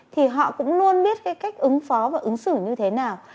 thì họ cũng luôn biết cách ứng phó và ứng xử như thế nào